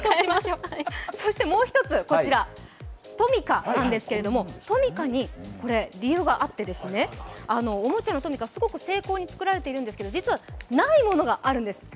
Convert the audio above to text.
もう一つ、トミカなんですけれども、トミカに理由があっておもちゃのトミカ、すごく精巧に作られているんですが実は、ないものがあるんです。